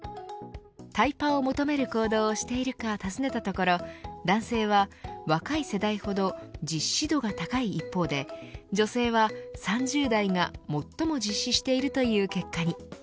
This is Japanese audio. タイパを求める行動をしているか尋ねたところ男性は若い世代ほど実施度が高い一方で女性は３０代が最も実施しているという結果に。